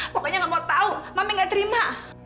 pokoknya gak mau tau mami gak terima